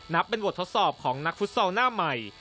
เป็นบททดสอบของนักฟุตซอลหน้าใหม่